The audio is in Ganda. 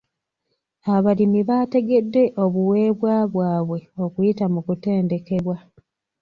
Abalimi baategedde obuweebwa bwabwe okuyita mu kutendekebwa.